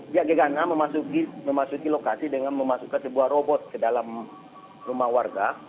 pihak gegana memasuki lokasi dengan memasukkan sebuah robot ke dalam rumah warga